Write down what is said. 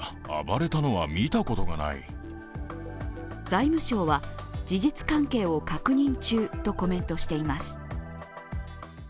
財務省は、事実関係を確認中とコメントしています。